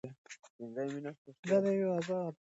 دا د یوه ازاد انسان نښه ده.